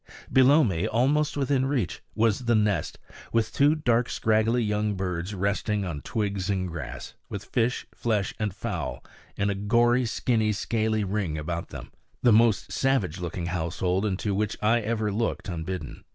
Below me, almost within reach, was the nest, with two dark, scraggly young birds resting on twigs and grass, with fish, flesh and fowl in a gory, skinny, scaly ring about them the most savage looking household into which I ever looked unbidden.